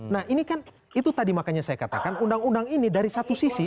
nah ini kan itu tadi makanya saya katakan undang undang ini dari satu sisi